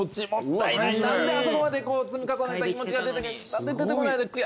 あそこまで積み重ねた気持ちが何で出てこないんだ悔しい。